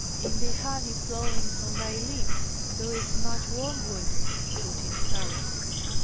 "In the honey flowing from thy lips there is much wormwood," put in Sarah.